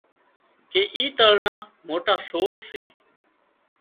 ڪي اي تۯ نا موٽا سور سي